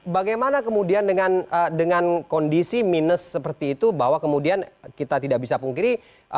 bagaimana kemudian dengan kondisi minus seperti itu bahwa kemudian kita tidak bisa pungkiri